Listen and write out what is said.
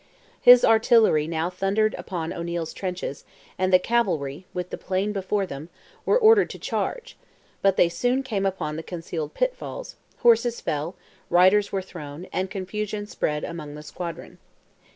His artillery now thundered upon O'Neil's trenches, and the cavalry, with the plain before them, were ordered to charge; but they soon came upon the concealed pitfalls, horses fell, riders were thrown, and confusion spread among the squadron.